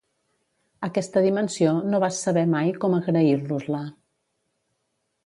Aquesta dimensió no vas saber mai com agrair-los-la.